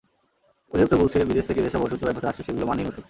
অধিদপ্তর বলছে, বিদেশ থেকে যেসব ওষুধ চোরাই পথে আসছে, সেগুলো মানহীন ওষুধ।